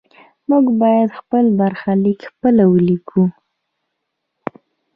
موږ باید خپل برخلیک خپله ولیکو.